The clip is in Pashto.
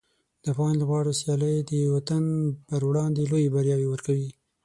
د افغان لوبغاړو سیالۍ د وطن پر وړاندې لویې بریاوې ورکوي.